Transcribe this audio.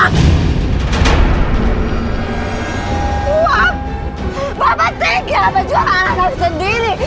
bapak sudah tinggal menjual anak sendiri